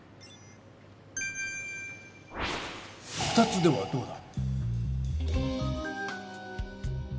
２つではどうだ？